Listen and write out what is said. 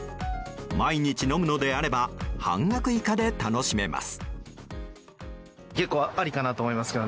毎日飲むのであれば半額以下で楽しめます。